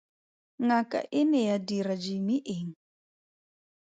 Ngaka e ne ya dira Jimi eng?